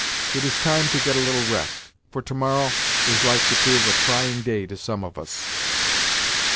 It is time to get a little rest, for to morrow is like to prove a trying day to some of us."